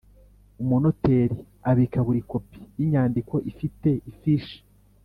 Umunoteri abika buri kopi y inyandiko ifite ifishi